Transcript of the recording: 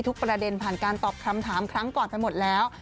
ประเด็นผ่านการตอบคำถามครั้งก่อนไปหมดแล้ว